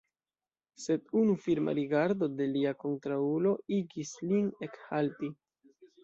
Sed unu firma rigardo de lia kontraŭulo igis lin ekhalti.